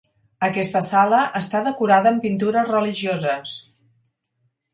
Aquesta sala està decorada amb pintures religioses.